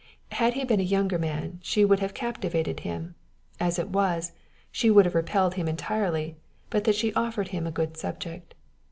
Had he been a younger man, she would have captivated him; as it was, she would have repelled him entirely, but that she offered him a good subject.